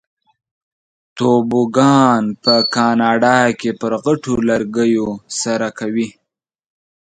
توبوګان په کاناډا کې په غټو لرګیو سره کوي.